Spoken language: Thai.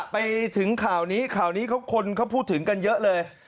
ไปถึงข่าวนี้ข่าวนี้คนเขาพูดถึงกันเยอะเลย